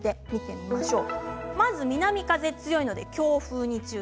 まず南風が強いので強風に注意。